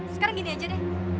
sekarang gini aja deh